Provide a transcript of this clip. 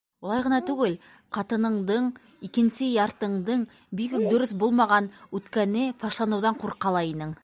Улай ғына түгел, ҡатыныңдың - икенсе яртыңдың, бигүк дөрөҫ булмаған үткәне фашланыуҙан ҡурҡа ла инең.